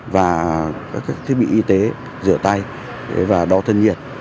và các thiết bị y tế rửa tay và đo thân nhiệt